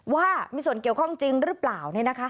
ว่ามีส่วนเกี่ยวข้องจริงหรือเปล่า